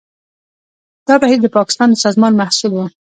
دا بهیر د پاکستان د سازمان محصول و.